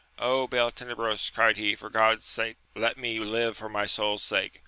Ah, Beltenebros, cried he, for God's sake let me Kve for my soul's sake